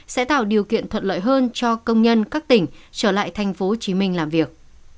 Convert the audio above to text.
sẽ tạo điều kiện thuận lợi hơn cho công nhân các tỉnh trở lại tp hcm làm việc